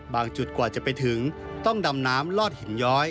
จุดกว่าจะไปถึงต้องดำน้ำลอดหินย้อย